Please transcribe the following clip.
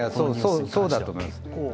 そうだと思います。